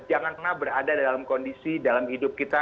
jangan pernah berada dalam kondisi dalam hidup kita